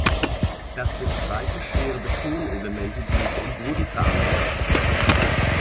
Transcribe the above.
Das sind breite, schwere Betonelemente, die nicht im Boden verankert sind.